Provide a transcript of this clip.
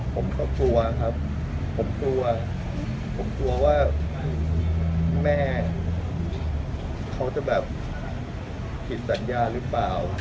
ผมก็กลัวครับผมกลัวผมกลัวว่าแม่เขาจะแบบผิดสัญญาหรือเปล่า